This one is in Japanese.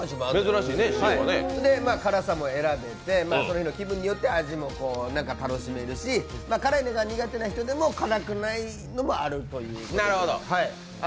辛さも選べて、その日の気分によって味も楽しめるし、辛いのが苦手な人でも辛くないのもあるということで。